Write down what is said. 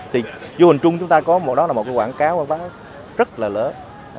thì du hồn trung chúng ta có một quảng cáo rất là lớn